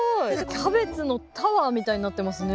キャベツのタワーみたいになってますね。